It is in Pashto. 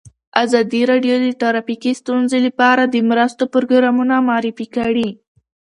ازادي راډیو د ټرافیکي ستونزې لپاره د مرستو پروګرامونه معرفي کړي.